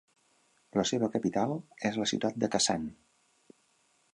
La seva capital és la ciutat de Kazan.